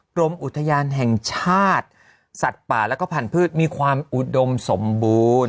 กรมอุทยานแห่งชาติสัตว์ป่าแล้วก็พันธุ์มีความอุดมสมบูรณ์